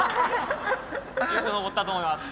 よく登ったと思います。